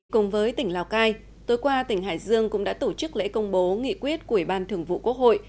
cùng với tỉnh lào cai tối qua tỉnh hải dương cũng đã tổ chức lễ công bố nghị quyết của ủy ban thường vụ quốc hội